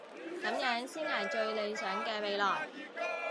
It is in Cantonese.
噉樣先係最理想嘅未來